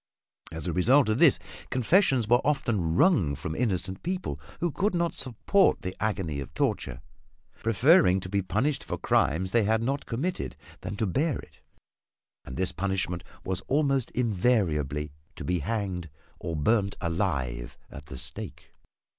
As a result of this, confessions were often wrung from innocent people, who could not support the agony of torture, preferring to be punished for crimes they had not committed than to bear it. And this punishment was almost invariably to be hanged or burned alive at the stake.